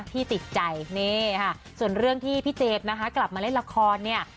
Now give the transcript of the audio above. ที่ติดใจนี่ค่ะส่วนเรื่องที่พี่เจฟนะคะกลับมาเล่นละครเนี่ย